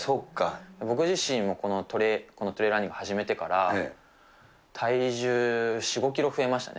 僕自身、このトレイルランニング始めてから、体重、４、５キロ増えましたね。